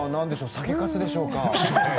酒かすでしょうか？